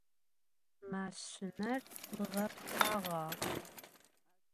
Maşşiner bğapıtağa?